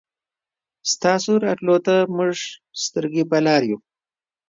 ستاسو راتلو ته مونږ سترګې په لار يو